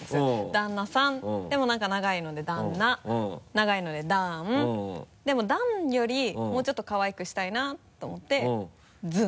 「旦那さん」でも何か長いので「旦那」長いので「だん」でも「だん」よりもうちょっとかわいくしたいなと思って「ずん」